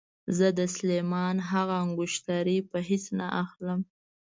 زه د سلیمان هغه انګشتره په هېڅ نه اخلم.